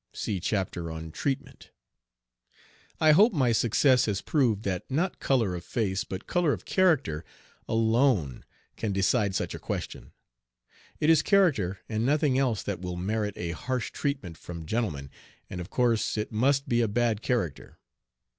(See chapter on "Treatment.") I hope my success has proved that not color of face, but color of character alone can decide such a question. It is character and nothing else that will merit a harsh treatment from gentlemen, and of course it must be a bad character.